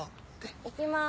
行きます。